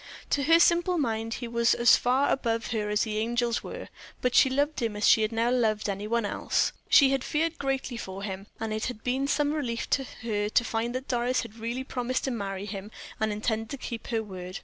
To her simple mind he was as far above her as the angels were; but she loved him as she never loved any one else. She had feared greatly for him, and it had been some relief to her to find that Doris had really promised to marry him and intended to keep her word.